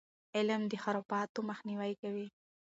علم د خرافاتو مخنیوی کوي.